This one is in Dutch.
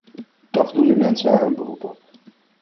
Toch doen de mensen er een beroep op.